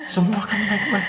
semua akan baik baik